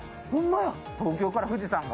東京から富士山が。